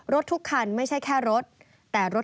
รถทุกคันไม่ใช่แค่รถ